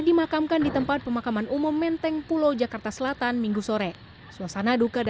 dimakamkan di tempat pemakaman umum menteng pulau jakarta selatan minggu sore suasana duka